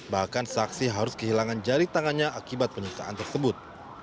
bahkan saksi harus kehilangan jari tangannya akibat penyiksaan tersebut